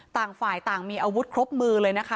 ต่างฝ่ายต่างมีอาวุธครบมือเลยนะคะ